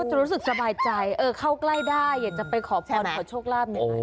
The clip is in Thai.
จะรู้สึกสบายใจเออเข้าใกล้ได้อยากจะไปขอพรขอโชคลาภเนี่ย